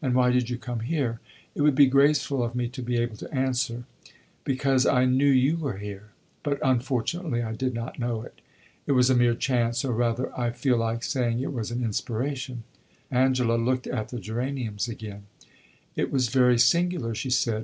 "And why did you come here?" "It would be graceful of me to be able to answer 'Because I knew you were here.' But unfortunately I did not know it. It was a mere chance; or rather, I feel like saying it was an inspiration." Angela looked at the geraniums again. "It was very singular," she said.